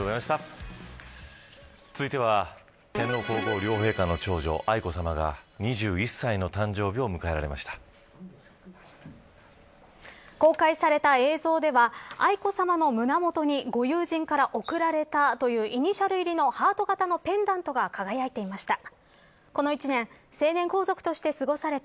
続いては天皇皇后両陛下の長女愛子さまが公開された映像では愛子さまの胸元にご友人から贈られたイニシャル入りのハート型のペンダントが輝いていました。